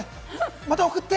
また送って！